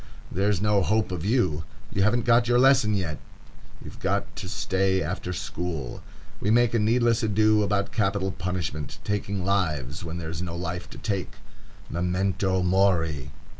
there's no hope of you. You haven't got your lesson yet. You've got to stay after school. We make a needless ado about capital punishment,—taking lives, when there is no life to take. _Memento mori!